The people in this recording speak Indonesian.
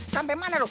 sampai mana lu